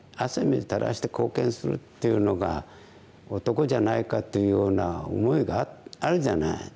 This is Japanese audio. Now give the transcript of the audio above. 汗水たらして貢献するっていうのが男じゃないかっていうような思いがあるじゃない。